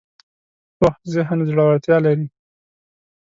پوخ ذهن زړورتیا لري